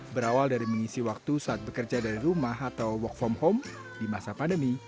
berawal dari mengisi waktu saat bekerja dari rumah atau work from home di masa pandemi